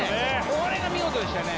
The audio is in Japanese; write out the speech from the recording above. これが見事でしたよね。